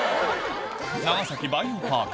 長崎バイオパーク。